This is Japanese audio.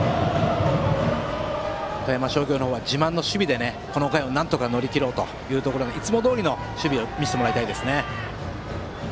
富山商業の方は自慢の守備でこの回をなんとか乗り切ろうということでいつもどおりの守備を見せてもらいたいですね。